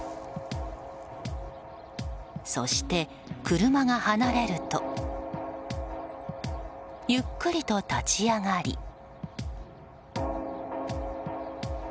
そして車が離れるとゆっくりと立ち上がり。